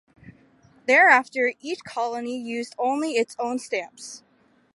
Thereafter each colony used only its own stamps.